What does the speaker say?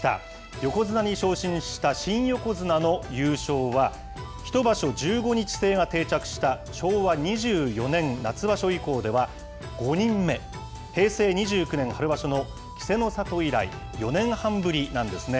横綱に昇進した新横綱の優勝は、１場所１５日制が定着した昭和２４年夏場所以降では５人目、平成２９年春場所の稀勢の里以来、４年半ぶりなんですね。